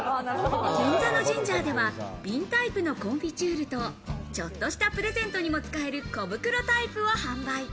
銀座のジンジャーでは瓶タイプのコンフィチュールと、ちょっとしたプレゼントにも使える小袋タイプを販売。